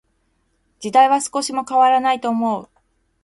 時代は少しも変らないと思う。